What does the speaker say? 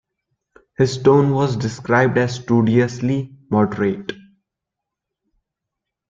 His tone was described as studiously moderate.